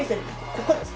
ここです。